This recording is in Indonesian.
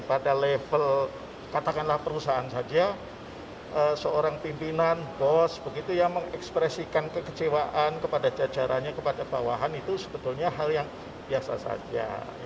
pada level katakanlah perusahaan saja seorang pimpinan boskan kekecewaan kepada jajarannya kepada bawahan itu sebetulnya hal yang biasa saja